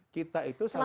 kita itu salah satu